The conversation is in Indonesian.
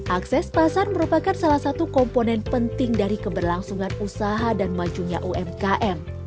akses pasar merupakan salah satu komponen penting dari keberlangsungan usaha dan majunya umkm